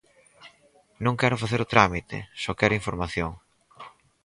Non quero facer o trámite, só quero información.